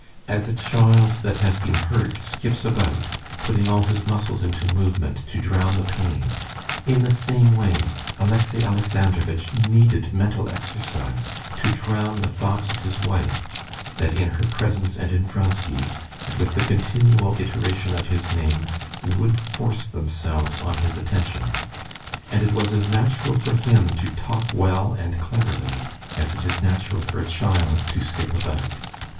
As a child that has been hurt skips about, putting all his muscles into movement to drown the pain, in the same way Alexey Alexandrovitch needed mental exercise to drown the thoughts of his wife that in her presence and in Vronsky's, and with the continual iteration of his name, would force themselves on his attention. And it was as natural for him to talk well and cleverly, as it is natural for a child to skip about.